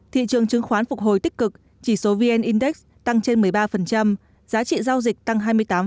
thị trường chứng khoán phục hồi tích cực chỉ số vn index tăng trên một mươi ba giá trị giao dịch tăng hai mươi tám